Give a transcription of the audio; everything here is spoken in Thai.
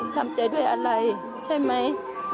ถ้าทำได้แม่ก็อยากจากชีวิตแรกชีวิตเลย